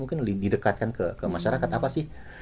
mungkin didekatkan ke masyarakat apa sih